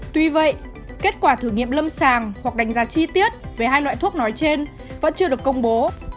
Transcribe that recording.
tuy vậy kết quả thử nghiệm lâm sàng hoặc đánh giá chi tiết về hai loại thuốc nói trên vẫn chưa được công bố